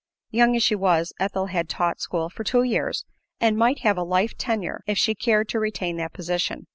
Young as she was, Ethel had taught school for two years, and might have a life tenure if she cared to retain the position.